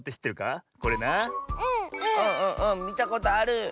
みたことある！